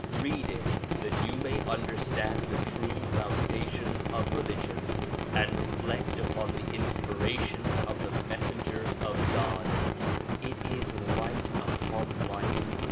Read it that you may under stand the true foundations of religion and reflect upon the inspira tion of the messengers of God. It is light upon light.